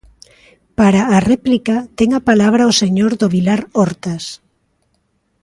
Para a réplica ten a palabra o señor do Vilar Hortas.